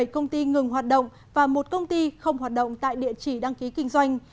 bảy công ty ngừng hoạt động và một công ty không hoạt động tại địa chỉ đăng ký kinh doanh